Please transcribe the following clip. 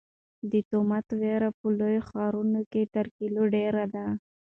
د تومت وېره په لویو ښارونو کې تر کلیو ډېره ده.